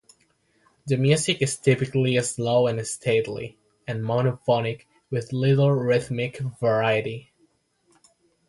The music is typically slow and stately, and monophonic with little rhythmic variety.